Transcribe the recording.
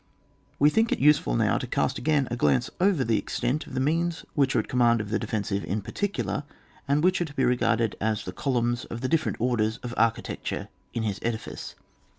We think it useful now to cast again a glance over the extent of the means which are at command of the defensive in par ticular, and which are to be regarded as the columns of the different orders of architecture in his edifice.